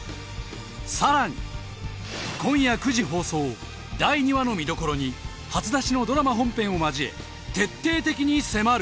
更に今夜９時放送第２話の見どころに初だしのドラマ本編を交え徹底的に迫る！